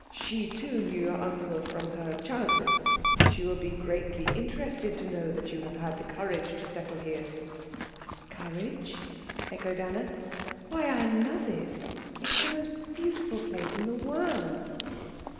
She too knew your uncle from her childhood. She will be greatly interested to know that you have had the courage to settle here." "Courage?" echoed Anna. "Why, I love it. It's the most beautiful place in the world."